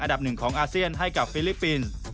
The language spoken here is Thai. อันดับหนึ่งของอาเซียนให้กับฟิลิปปินส์